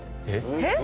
えっ？